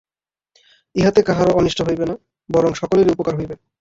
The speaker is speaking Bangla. ইহাতে কাহারও অনিষ্ট হইবে না, বরং সকলেরই উপকার হইবে।